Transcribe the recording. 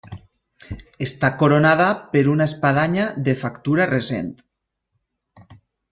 Està coronada per una espadanya de factura recent.